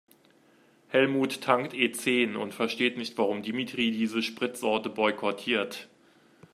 Helmut tankt E-zehn und versteht nicht, warum Dimitri diese Spritsorte boykottiert.